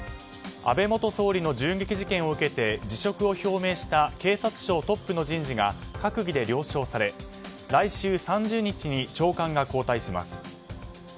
安倍元総理の銃撃事件を受けて辞職を表明した警察庁トップの人事が閣議で了承され来週３０日に長官が交代します。